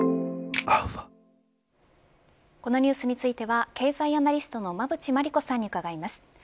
このニュースについては経済アナリストの馬渕磨理子さんに伺います。